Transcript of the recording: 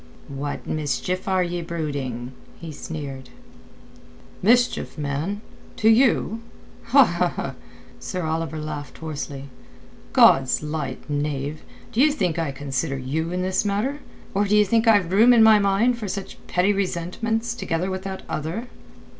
"What mischief are ye brooding?" he sneered. "Mischief, man? To you?" Sir Oliver laughed hoarsely. "God's light, knave, d'ye think I consider you in this matter, or d'ye think I've room in my mind for such petty resentments together with that other?"